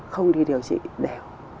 không đi điều trị đều